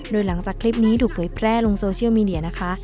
โดยหลังจากคลิปนี้ถูกเผยแพร่ลงโซเชียลมีเดียนะคะ